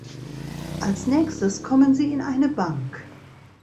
Als nächstes kommen sie in eine Bank.